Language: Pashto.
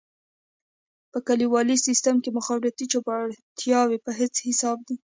په کليوالي سېمو کې مخابراتي چوپړتياوې په هيڅ حساب دي.